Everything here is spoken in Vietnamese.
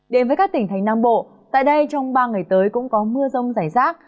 đến với các tỉnh thành nam bộ tại đây trong ba ngày tới cũng có mưa rông rải rác